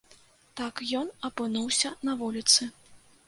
Так ён апынуўся на вуліцы.